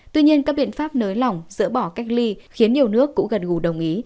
tuy nhiên các biện pháp nới lỏng dỡ bỏ cách ly khiến nhiều nước cũng gần gù đồng ý